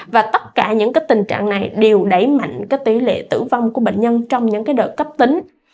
và tất cả những tình trạng này đều đẩy mạnh tỷ lệ tử vong của bệnh nhân trong những đợt cấp tính